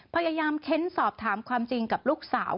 เค้นสอบถามความจริงกับลูกสาว